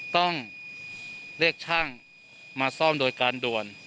ต้องเรียกช่างมาซ่อมโดยการด่วน